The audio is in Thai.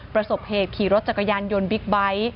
ประสบเหตุขี่รถจักรยานยนต์บิ๊กไบท์